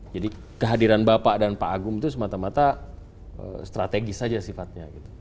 jadi kehadiran bapak dan pak agung itu semata mata strategis saja sifatnya